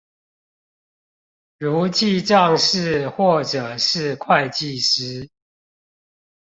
如記帳士或者是會計師